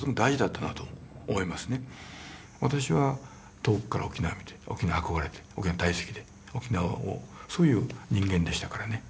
私は遠くから沖縄を見て沖縄に憧れて沖縄大好きで沖縄をそういう人間でしたからね。